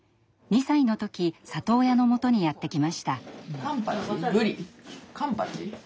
２歳の時里親のもとにやって来ました。